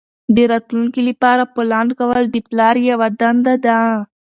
د راتلونکي لپاره پلان کول د پلار یوه دنده ده.